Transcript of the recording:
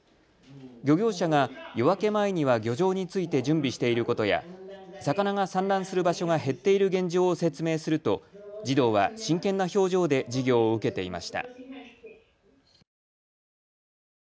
漁業者が夜明け前には漁場に着いて準備していることや魚が産卵する場所が減っている現状を説明すると児童は真剣な表情で授業を受けていました。